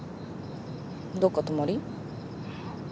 どっか泊まり？